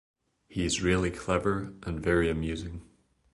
He is really clever and very amusing.